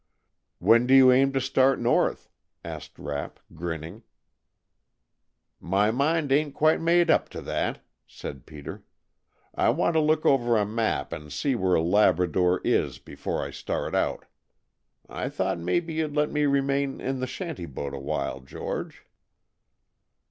"When do you aim to start north?" asked Rapp, grinning. "My mind ain't quite made up to that," said Peter. "I want to look over a map and see where Labrador is before I start out. I thought maybe you'd let me remain in the shanty boat awhile, George."